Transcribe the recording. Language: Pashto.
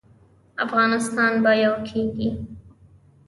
افغانستان به یو کیږي؟